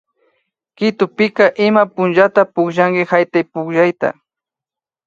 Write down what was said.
Quitopika ima punllata pukllanki haytaypukllayta